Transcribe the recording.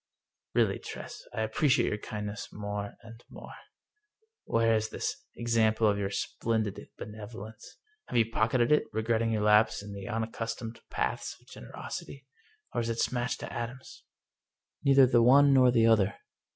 " Really, Tress, I appreciate your kindness more and more ! And where is this example of your splendid benevo lence? Have you pocketed it, regretting your lapse into the unaccustomed paths of generosity? Or is it smashed to atoms?" " Neither the one nor the other.